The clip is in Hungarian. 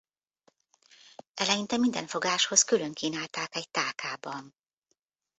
Eleinte minden fogáshoz külön kínálták egy tálkában.